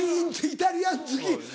イタリアン好き。